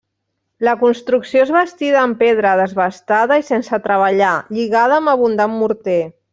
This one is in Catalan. La construcció és bastida en pedra desbastada i sense treballar, lligada amb abundant morter.